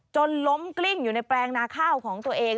จนล้มกลิ้งอยู่ในแปลงนาข้าวของตัวเอง